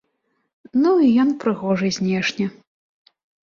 Ну і ён прыгожы знешне.